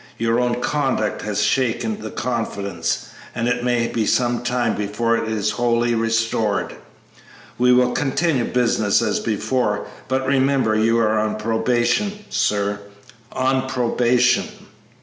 Your own conduct has shaken that confidence, and it may be some time before it is wholly restored. We will continue business as before; but remember, you are on probation, sir on probation!"